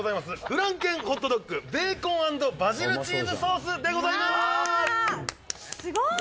フランケン・ホットドッグ・ベーコン＆バジルチーズソースでござすごい。